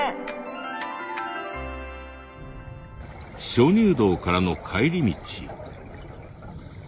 鍾乳洞からの帰り道。